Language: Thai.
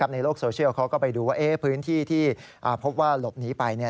ในโลกโซเชียลเขาก็ไปดูว่าพื้นที่ที่พบว่าหลบหนีไป